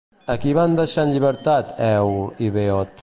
A qui van deixar en llibertat Èol i Beot?